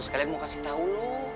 sekalian mau kasih tahu lo